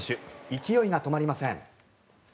勢いが止まりません。